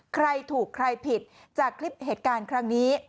ใครถูกใครผิดจากคลิปเหตุการณ์ครั้งนี้